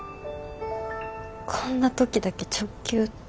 こんな時だけ直球って。